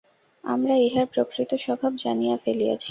আমরা ইহার প্রকৃত স্বভাব জানিয়া ফেলিয়াছি।